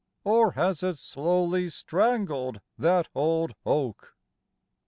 Or has it slowly strangled that old oak?